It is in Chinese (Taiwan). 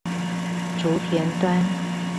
竹田端